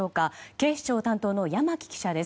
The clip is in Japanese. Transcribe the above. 警視庁担当の山木記者です。